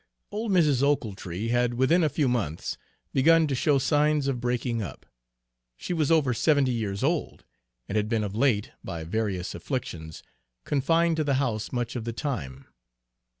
Old Mrs. Ochiltree had within a few months begun to show signs of breaking up. She was over seventy years old, and had been of late, by various afflictions, confined to the house much of the time.